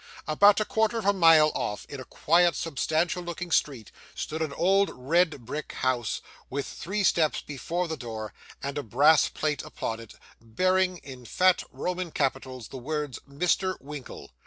About a quarter of a mile off, in a quiet, substantial looking street, stood an old red brick house with three steps before the door, and a brass plate upon it, bearing, in fat Roman capitals, the words, 'Mr. Winkle.